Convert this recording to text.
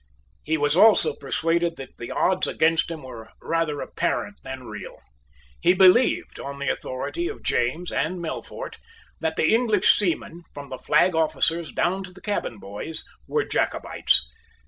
He was also persuaded that the odds against him were rather apparent than real. He believed, on the authority of James and Melfort, that the English seamen, from the flag officers down to the cabin boys, were Jacobites.